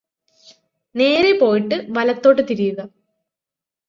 നേരെ പോയിട്ട് വലത്തോട്ട് തിരിയുക